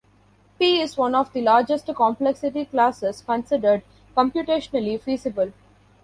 P is one of the largest complexity classes considered "computationally feasible".